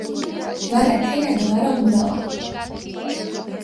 ვარა თელა დო ვარა ღურავა